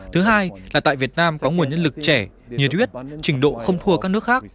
thứ hai là tại việt nam có nguồn nhân lực trẻ nhiệt huyết trình độ không thua các nước khác